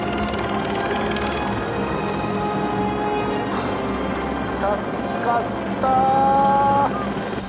はぁ助かった。